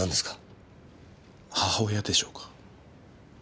母親でしょうか。